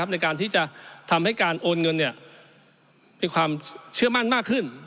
ในการที่จะทำให้การโอนเงินมีความเชื่อมั่นมากขึ้น